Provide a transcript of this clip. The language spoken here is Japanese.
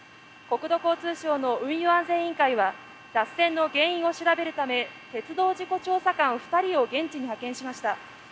国土交通省の運輸安全委員会は脱線の原因を調べるため鉄道事故調査官２人を現地に派遣しました。